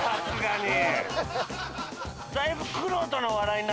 だいぶ。